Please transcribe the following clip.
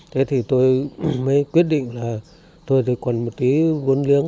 thế thì tôi mới quyết định là tôi thì còn một tí vốn lướng